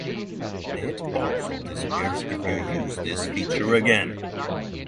It also disappears if you use this feature again.